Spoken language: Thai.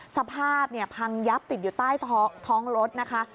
สภาพพังยับติดอยู่ใต้ท้องรถนะคะ